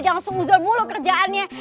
jangan sungguh mulu kerjaannya